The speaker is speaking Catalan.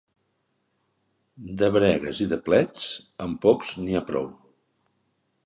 De bregues i de plets, amb pocs n'hi ha prou.